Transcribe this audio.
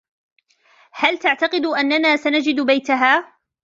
هل تعتقد أننا سنجد بيتها ؟